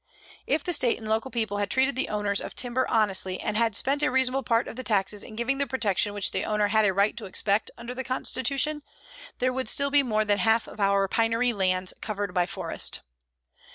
If the State and local people had treated the owners of timber honestly and had spent a reasonable part of the taxes in giving the protection which the owner had a right to expect under the Constitution, there would still be more than half of our pinery lands covered by forest.